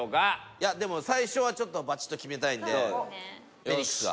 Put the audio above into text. いやでも最初はちょっとバチッと決めたいんでフェニックスが。